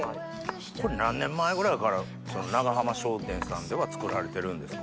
これ何年前ぐらいから長浜商店さんでは作られてるんですか？